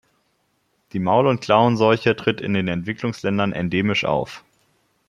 Die Maul- und Klauenseuche tritt in den Entwicklungsländern endemisch auf.